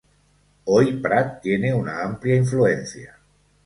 Hoy Pratt tiene una amplia influencia.